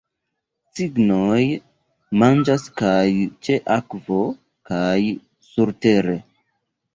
Cignoj manĝas kaj ĉe akvo kaj surtere.